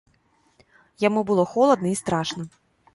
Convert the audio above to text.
Яму было холадна і страшна.